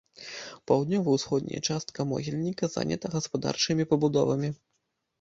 Паўднёва-ўсходняя частка могільніка занята гаспадарчымі пабудовамі.